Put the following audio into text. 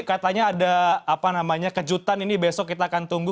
katanya ada kejutan ini besok kita akan tunggu